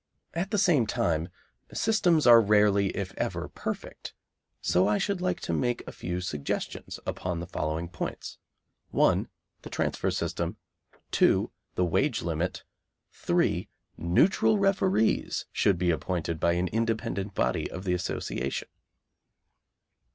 At the same time, systems are rarely if ever perfect, so I should like to make a few suggestions upon the following points: 1. The transfer system. 2. The wage limit. 3. Neutral referees should be appointed by an independent body of the Association.